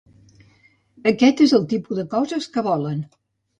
Aquest és el tipus de coses que volen.